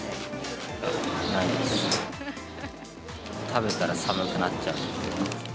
食べたら寒くなっちゃうんで。